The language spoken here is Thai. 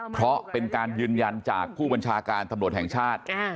เพราะเป็นการยืนยันจากผู้บัญชาการตำรวจแห่งชาติ